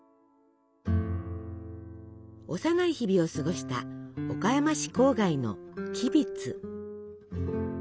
幼い日々を過ごした岡山市郊外の吉備津。